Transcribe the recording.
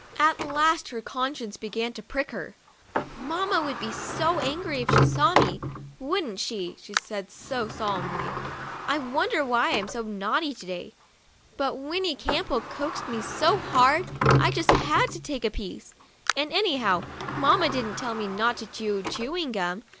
At last her conscience began to prick her. ' Mamma would be so angry if she saw me, wouldn't she?" she said to us, solemnly. " I wonder why I'm so naughty to day. But Winnie Campbell coaxed me so hard, I just had to take a piece. And, anyhow, mamma didn't tell me not to chew chewing gum.